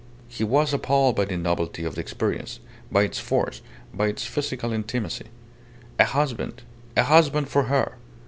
He was appalled by the novelty of the experience, by its force, by its physical intimacy. A husband! A husband for her!